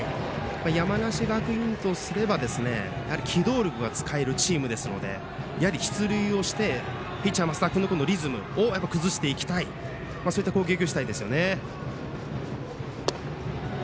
山梨学院とすれば機動力が使えるチームですのでやはり出塁をしてピッチャー升田君のリズムを崩していきたいそういった攻撃をしたいですよね。